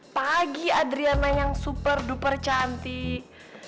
pagi adriana yang super super cantik